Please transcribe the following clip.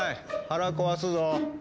腹壊すぞ。